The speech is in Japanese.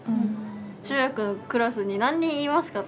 中学のクラスに何人いますか？